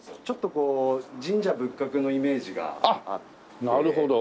ちょっとこう神社仏閣のイメージがあって。